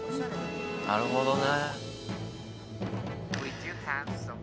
なるほどね。